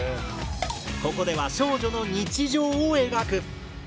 ここでは少女の日常を描く。